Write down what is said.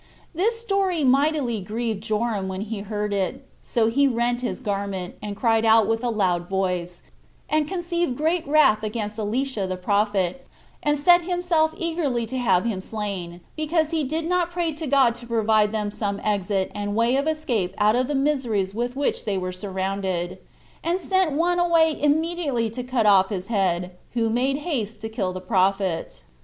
This story mightily grieved Joram when he heard it; so he rent his garment, and cried out with a loud voice, and conceived great wrath against Elisha the prophet, and set himself eagerly to have him slain, because he did not pray to God to provide them some exit and way of escape out of the miseries with which they were surrounded; and sent one away immediately to cut off his head, who made haste to kill the prophet.